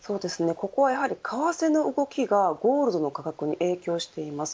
ここはやはり、為替の動きがゴールドの価格に影響しています。